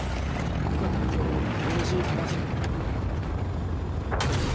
よかったら今日昼飯食べませんか？